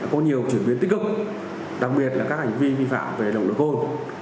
có nhiều chuyển biến tích cực đặc biệt là các hành vi vi phạm về lòng đối côn